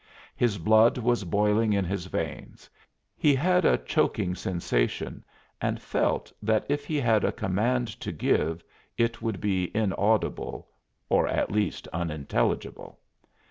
His blood was boiling in his veins; he had a choking sensation and felt that if he had a command to give it would be inaudible, or at least unintelligible.